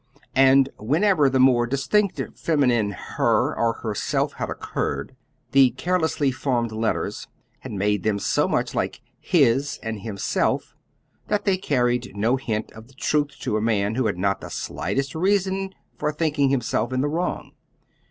And whenever the more distinctive feminine "her" or "herself" had occurred, the carelessly formed letters had made them so much like "his" and "himself" that they carried no hint of the truth to a man who had not the slightest reason for thinking himself in the wrong.